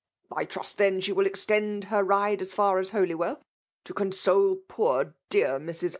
I trust, then, she will extend her ride as fiur as Holywell, to console poor dear Mis.